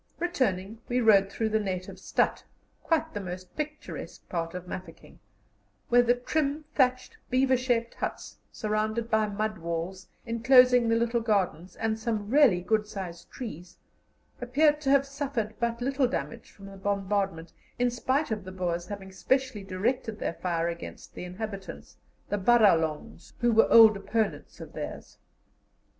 Returning, we rode through the native stadt, quite the most picturesque part of Mafeking, where the trim, thatched, beaver shaped huts, surrounded by mud walls, enclosing the little gardens and some really good sized trees, appeared to have suffered but little damage from the bombardment, in spite of the Boers having specially directed their fire against the inhabitants (the Baralongs), who were old opponents of theirs.